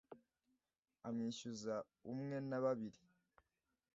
amwishyuza umwe na babiri.